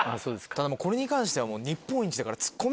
ただこれに関しては。